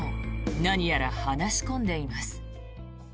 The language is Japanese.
何やら話し込んでいます。